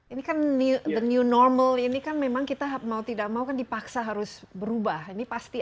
ini kan the new normal ini kan memang kita mau tidak mau kan dipaksa harus berubah ini pasti